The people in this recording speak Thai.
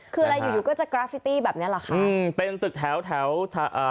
คืออะไรอยู่อยู่ก็จะกราฟิตี้แบบเนี้ยแหละค่ะอืมเป็นตึกแถวแถวอ่า